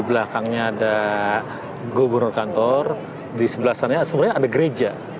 belakangnya ada gubernur kantor di sebelah sana sebenarnya ada gereja